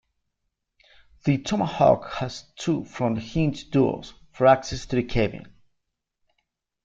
The Tomahawk has two front-hinged doors for access to the cabin.